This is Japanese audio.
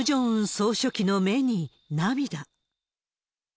総書記の目に涙。